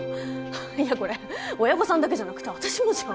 いやこれ親御さんだけじゃなくて私もじゃん。